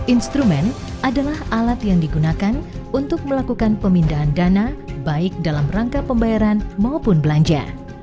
instrumen adalah alat yang digunakan untuk melakukan pemindahan dana baik dalam rangka pembayaran maupun belanja